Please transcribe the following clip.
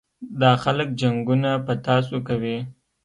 دا خلک جنګونه په تاسو کوي.